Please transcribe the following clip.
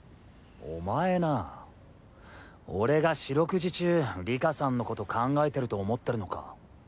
お前な俺が四六時中里佳さんのこと考えてると思ってるのか。